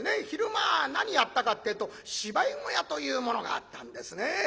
昼間は何やったかってえと芝居小屋というものがあったんですね。